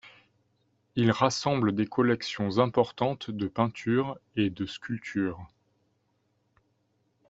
Il rassemble des collections importantes de peinture et de sculpture.